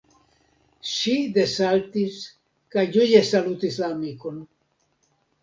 Ŝi desaltis kaj ĝoje salutis la amikon: